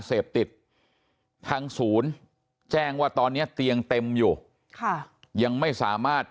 เสพติดทางศูนย์แจ้งว่าตอนนี้เตียงเต็มอยู่ค่ะยังไม่สามารถ